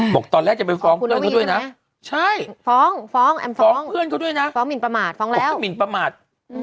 บอกตอนแรกจะไปฟ้องเพื่อนเขาด้วยนะฟ้องเพื่อนเขาด้วยนะฟ้องมินประมาท